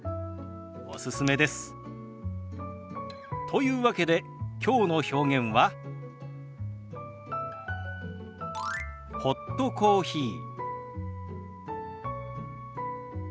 というわけできょうの表現は「ホットコーヒー」。